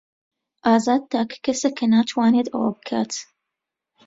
ئازاد تاکە کەسە کە ناتوانێت ئەوە بکات.